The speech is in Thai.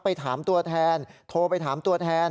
ไปถามตัวแทนโทรไปถามตัวแทน